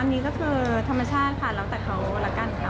อันนี้ก็คือธรรมชาติค่ะแล้วแต่เขาละกันค่ะ